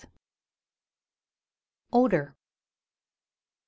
ODOUR.